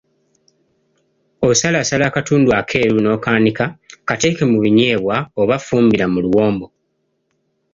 Osalaasala akatundu akeeru n’okaanika, kateeke mu binyeebwa oba fumbira mu luwombo.